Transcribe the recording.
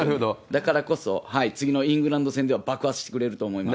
だからこそ、次のイングランド戦では爆発してくれると思います。